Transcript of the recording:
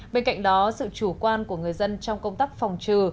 bên cạnh đó sự chủ quan của người dân trong công tác phòng trừ